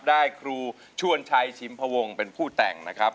ได้ครูชวนชัยชิมพวงเป็นผู้แต่งนะครับ